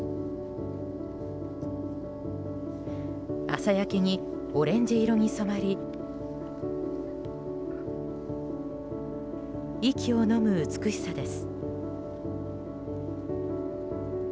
朝焼けにオレンジ色に染まり息をのむ美しさです。